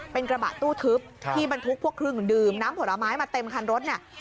เป็นกระบะตู้ทึบที่บรรทุกพวกเครื่องดื่มน้ำผลไม้มาเต็มคันรถเนี่ย